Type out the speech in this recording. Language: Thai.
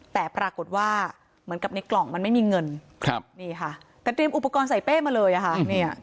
แต่ปรากฏว่าเหมือนกับในกล่องมันไม่มีเงินครับนี่ค่ะแต่เตรียมอุปกรณ์ใส่เป้มาเลยอะค่ะ